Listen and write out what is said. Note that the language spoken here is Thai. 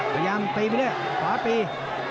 พยายามตีไปด้วยขวาตี